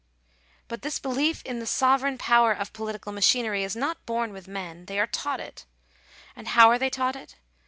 But this belief in " the sovereign power of political machi nery " is not born with men ; they are taught it. And how are they taught it?